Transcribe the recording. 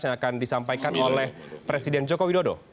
yang akan disampaikan oleh presiden joko widodo